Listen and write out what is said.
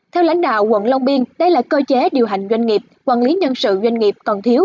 theo lãnh đạo quận long biên đây là cơ chế điều hành doanh nghiệp quản lý nhân sự doanh nghiệp còn thiếu